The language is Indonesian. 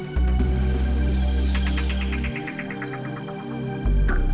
setelah itu jika jalan ke dunia